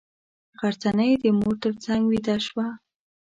غرڅنۍ د مور تر څنګه ویده شوه.